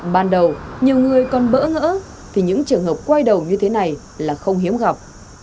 ban đầu nhiều người còn bỡ ngỡ thì những trường hợp quay đầu như thế này là không hiếm gặp